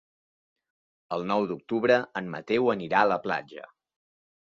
El nou d'octubre en Mateu anirà a la platja.